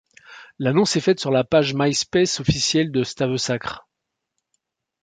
L'annonce est faite sur la page MySpace officielle de Stavesacre.